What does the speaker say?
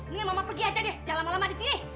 ini mama pergi aja deh jangan lama lama di sini